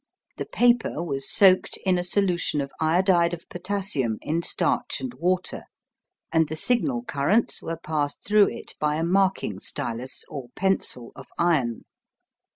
The paper was soaked in a solution of iodide of potassium in starch and water, and the signal currents were passed through it by a marking stylus or pencil of iron.